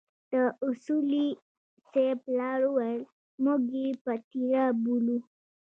د اصولي صیب پلار وويل موږ يې پتيره بولو.